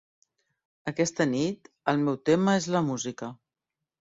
Aquesta nit, el meu tema és la música.